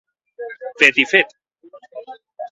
Fet i fet.